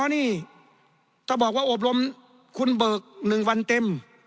นี่ถ้าบอกว่าอบรมคุณเบิก๑วันเต็ม